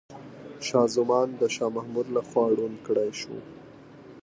شاه زمان د شاه محمود لخوا ړوند کړاي سو.